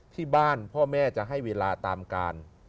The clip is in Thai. ที่บ้านพ่อแม่จะให้เวลาตามการ